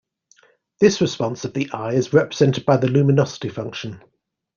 This response of the eye is represented by the luminosity function.